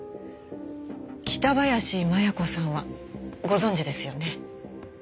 北林麻弥子さんはご存じですよね？